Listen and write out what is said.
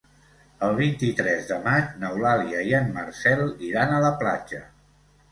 El vint-i-tres de maig n'Eulàlia i en Marcel iran a la platja.